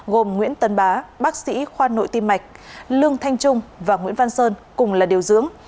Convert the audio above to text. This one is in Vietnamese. gồm nguyễn tấn bá bác sĩ khoa nội tim mạch lương thanh trung và nguyễn văn sơn cùng là điều dưỡng